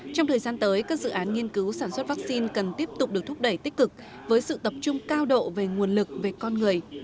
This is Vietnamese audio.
trong thời gian tới các dự án nghiên cứu sản xuất vaccine cần tiếp tục được thúc đẩy tích cực với sự tập trung cao độ về nguồn lực về con người